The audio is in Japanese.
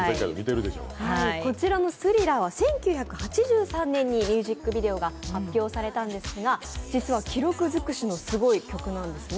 こちらの「Ｔｈｒｉｌｌｅｒ」は１９８３年にミュージックビデオが発表されたんですが実は記録尽くしのすごい曲なんですね。